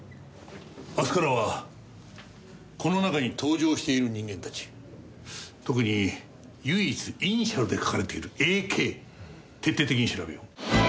明日からはこの中に登場している人間たち特に唯一イニシャルで書かれているＡ．Ｋ徹底的に調べよう。